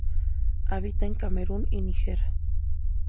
Habita en Camerún y Níger.